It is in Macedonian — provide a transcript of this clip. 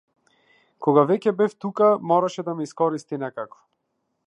Кога веќе бев тука мораше да ме искористи некако.